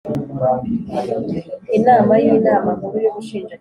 Inama y inama nkuru y ubushinjacyaha